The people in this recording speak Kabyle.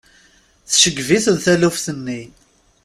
Tceggeb-iten taluft-nni.